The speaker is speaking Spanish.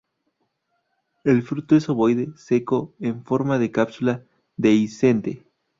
El fruto es ovoide, seco, en forma de cápsula dehiscente.